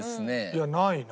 いやないな。